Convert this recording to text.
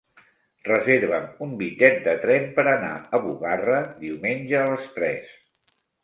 Reserva'm un bitllet de tren per anar a Bugarra diumenge a les tres.